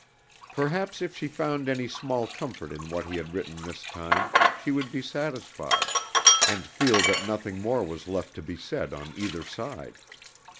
Perhaps if she found any small comfort in what he had written this time, she would be satisfied, and feel that nothing more was left to be said on either side.